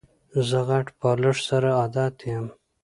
زه غټ بالښت سره عادت یم.